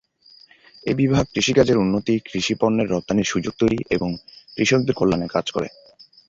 এই বিভাগ কৃষিকাজের উন্নতি, কৃষি পণ্যের রফতানির সুযোগ তৈরি এবং কৃষকদের কল্যাণে কাজ করে।